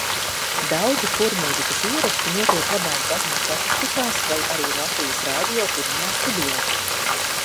Daudzi kormūzikas ieraksti notiek labās baznīcu akustikās vai arī Latvijas Radio pirmajā studijā.